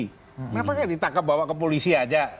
kenapa kayak ditangkap bawa ke polisi aja